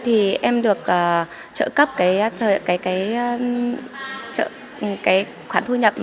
thì em được trợ cấp cái khoản thu nhập